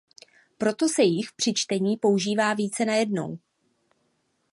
Proto se jich při čtení používá více najednou.